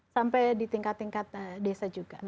sampai di tingkat tingkat desa juga